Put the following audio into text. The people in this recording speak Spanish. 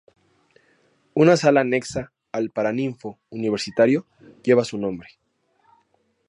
Una sala anexa al Paraninfo universitario lleva su nombre.